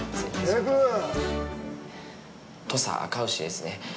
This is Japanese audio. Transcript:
土佐あかうしですね。